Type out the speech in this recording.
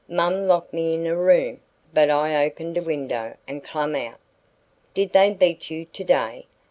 "Mom locked me in a room, but I opened a window an' clum out." "Did they beat you today?"